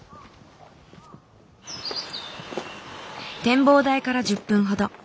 展望台から１０分ほど。